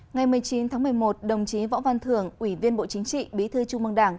ngày một mươi chín tháng một mươi một đồng chí võ văn thưởng ủy viên bộ chính trị bí thư trung mương đảng